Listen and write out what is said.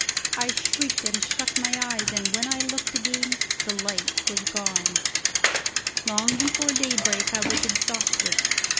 I shrieked and shut my eyes, and when I looked again the light was gone. Long before daybreak I was exhausted.